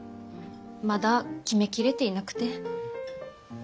まだ決め切れていなくて。